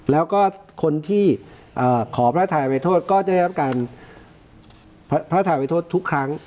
แล้วก็คนที่ขอพระทายไปโทษก็จะได้รับการพระทายไปโทษทุกครั้ง